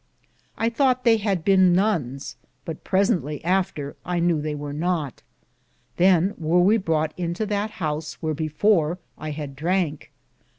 I thoughte they hade bene nones, but presently after I kenewe they wear not. Than weare we brought into that house wheare before I had dranke.